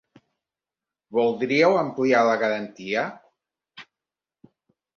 Voldríeu ampliar la garantia?